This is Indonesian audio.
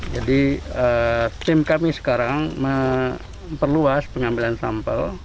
jadi tim kami sekarang memperluas pengambilan sampel